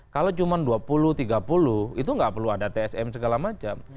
kalau cuma dua puluh tiga puluh itu nggak perlu ada tsm segala macam